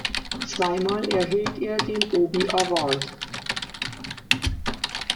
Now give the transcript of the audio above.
Zweimal erhielt er den Obie Award.